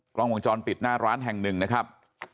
กล้องวงจรปิดหน้าร้านแห่งหนึ่งนะครับ